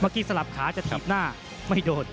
เมื่อกี้สลับขาจะถีบหน้าไม่โดด